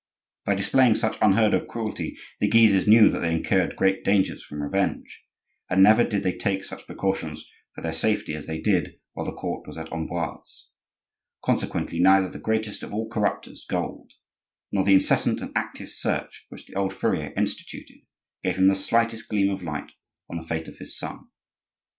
By displaying such unheard of cruelty the Guises knew that they incurred great dangers from revenge, and never did they take such precautions for their safety as they did while the court was at Amboise; consequently, neither the greatest of all corrupters, gold, nor the incessant and active search which the old furrier instituted gave him the slightest gleam of light on the fate of his son.